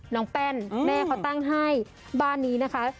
แป้นแม่เขาตั้งให้บ้านนี้นะคะ